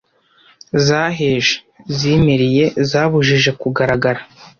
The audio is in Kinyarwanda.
Zaheje: Zimiriye, zabujije kugaragara.